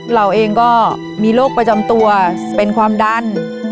เราเองก็มีโรคประจำตัวเป็นความดัน